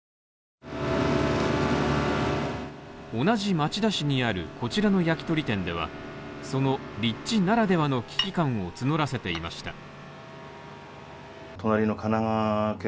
同じ町田市にあるこちらの焼き鳥店ではその立地ならではの危機感を募らせていました。